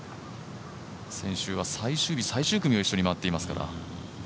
先週は最終日、最終組を一緒に回っていましたから。